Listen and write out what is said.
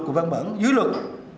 của văn bản dưới luật